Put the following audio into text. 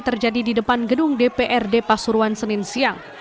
terjadi di depan gedung dprd pasuruan senin siang